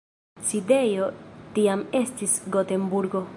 Sidejo tiam estis Gotenburgo.